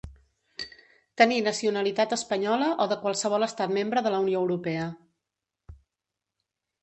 Tenir nacionalitat espanyola o de qualsevol estat membre de la Unió Europea.